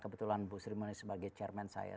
kebetulan bu sri mulyani sebagai chairman saya